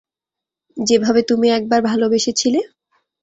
যেভাবে তুমি একবার ভালবেসেছিলে।